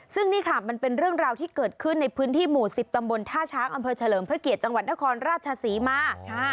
ซึ่งนี่ค่ะมันเป็นเรื่องราวที่เกิดขึ้นในพื้นที่หมู่๑๐ตำบลท่าช้างอำเภอเฉลิมพระเกียรติจังหวัดนครราชศรีมา